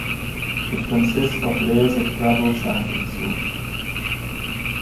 It consists of layers of gravel, sand and silt.